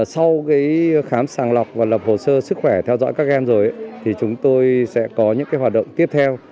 sau cái khám sang lọc và lập hồ sơ sức khỏe theo dõi các em rồi thì chúng tôi sẽ có những cái hoạt động tiếp theo